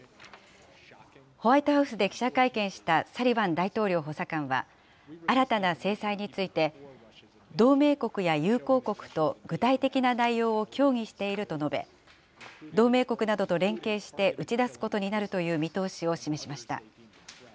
ホワイトハウスで記者会見したサリバン大統領補佐官は、新たな制裁について、同盟国や友好国と具体的な内容を協議していると述べ、同盟国などと連携して打ち出すことになるという見通しを示しました。